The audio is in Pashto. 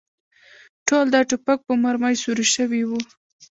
ټول د ټوپک په مرمۍ سوري شوي و.